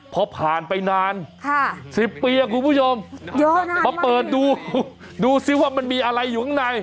เพราะผ่านไปนาน๑๐ปีครับคุณผู้ชมเพราะเปิดดูดูสิว่ามันมีอะไรอยู่ข้างใน